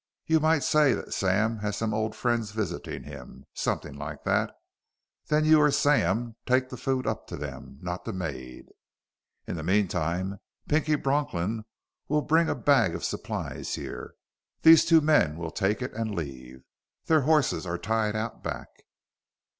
You might say that Sam has some old friends visiting him, something like that. Then you or Sam take the food up to them not the maid. In the meantime, Pinky Bronklin will bring a bag of supplies here. These two men will take it and leave. Their horses are tied out back."